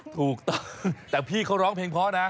สงสารคนฟัง